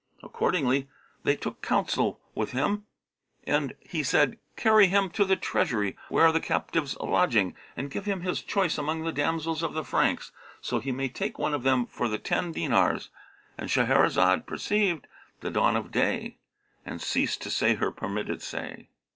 Accordingly they took counsel with him and he said, 'Carry him to the treasury[FN#34] where are the captives' lodging and give him his choice among the damsels of the Franks, so he may take one of them for the ten dinars,'" — And Shahrazad perceived the dawn of day and ceased to say her permitted say.